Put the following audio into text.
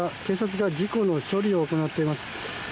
警察が事故の処理を行っています。